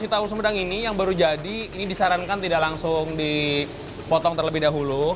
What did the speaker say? si tahu sumedang ini yang baru jadi ini disarankan tidak langsung dipotong terlebih dahulu